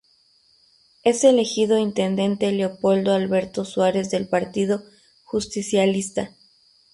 Es elegido intendente Leopoldo Alberto Suárez del Partido Justicialista.